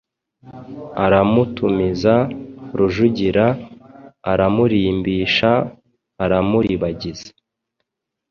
Aramutumiza, Rujugira aramurimbisha, aramuribagiza,